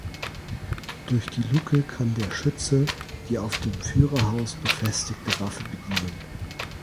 Durch die Luke kann der Schütze die auf dem Führerhaus befestigte Waffe bedienen.